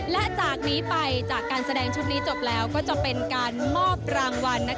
และจากนี้ไปจากการแสดงชุดนี้จบแล้วก็จะเป็นการมอบรางวัล